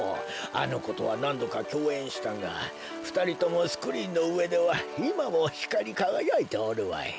あのことはなんどかきょうえんしたがふたりともスクリーンのうえではいまもひかりかがやいておるわい。